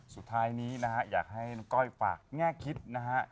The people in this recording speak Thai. สุดท้ายนี้อยากให้ก้อยฝากมกคิดนะฮะ